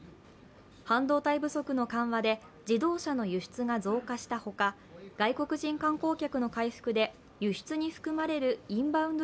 半導体不足の緩和で自動車の輸出が増加したほか、外国人観光客の回復で輸出に含まれるインバウンド